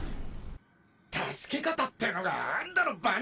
助け方ってのがあんだろバニー！